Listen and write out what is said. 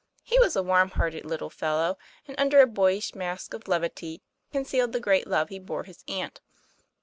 He was a warm hearted little fellow, and under a boyish mask of levity concealed the great love he bore his aunt.